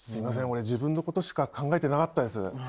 俺自分のことしか考えてなかったです。